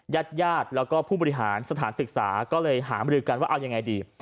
ญาติญาติแล้วก็ผู้บริหารสถานศึกษาก็เลยหามรือกันว่าเอายังไงดี